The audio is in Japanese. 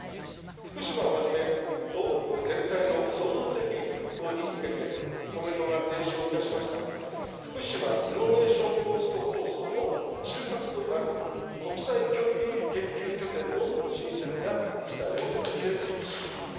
福島をはじめ、東北全体の創造的復興に向けて、公明党が提唱をいたしました福島イノベーション・コースト構想の中核となる、国際教育研究拠点の新設が期待をされております。